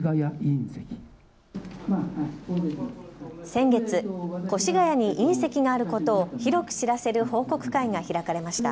先月、越谷に隕石があることを広く知らせる報告会が開かれました。